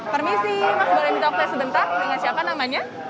permisi mas boleh minta sebentar dengan siapa namanya